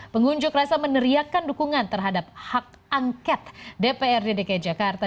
pengunjuk rasa meneriakan dukungan terhadap hak angket dprd dki jakarta